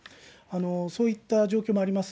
そういった状況もあります。